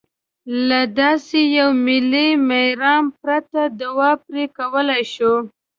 له داسې یوه ملي مرام پرته دوا پرې کولای شو.